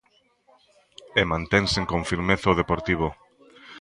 E mantense con firmeza o Deportivo.